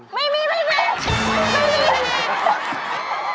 ไม่มีไม่มี